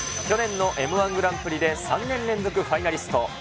去年のＭー１グランプリで３年連続ファイナリスト。